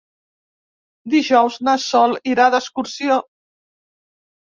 Dijous na Sol irà d'excursió.